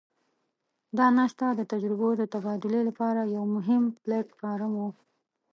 دا ناسته د تجربو د تبادلې لپاره یو مهم پلټ فارم وو.